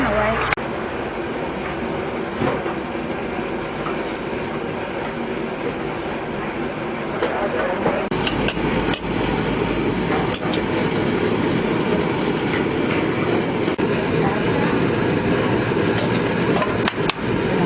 น้ำสีมันแค่นี้ไปเท่านู้นไปเท่ากินเย็นเอาไว้